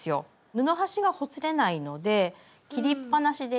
布端がほつれないので切りっぱなしでいい。